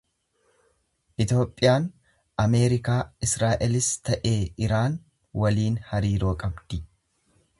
Itoophiyaan Ameerikaa, Israa'elis ta'e Iraan waliin hariiroo qabdi.